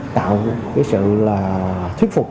tạo cái sự là thuyết phục